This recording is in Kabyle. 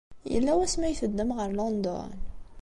Yella wasmi ay teddam ɣer London?